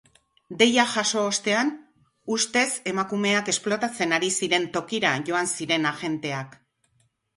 Deia jaso ostean, ustez emakumeak esplotatzen ari ziren tokira joan ziren agenteak.